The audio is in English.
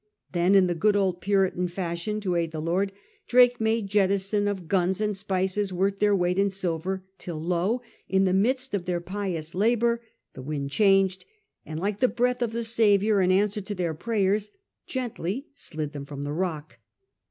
Then in the good old Puritan fashion, to aid the Lord, Drake made jettison of guns and spices worth their weight in silver, till lo! in the midst of their pious labour the wind changed, and, like the breath of the Saviour in answer to their prayers, gently slid them from the rock.